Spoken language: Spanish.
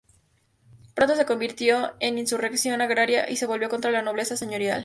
Pronto se convirtió en insurrección agraria y se volvió contra la nobleza señorial.